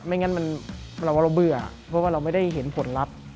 ไม่งั้นเราว่าเราเบื่อเพราะว่าเราไม่ได้เห็นผลลัพธ์